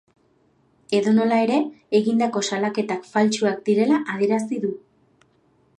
Edonola ere, egindako salaketak faltsuak direla adierazi du.